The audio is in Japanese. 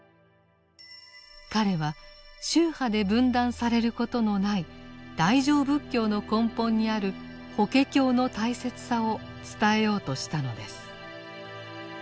彼は宗派で分断されることのない大乗仏教の根本にある法華経の大切さを伝えようとしたのです。